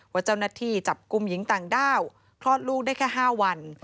ว่าเจ้าหน้าที่จับกลุ่มหญิงต่างด้าวคลอดลูกได้แค่๕วัน